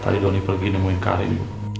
tadi doni pergi nemuin karim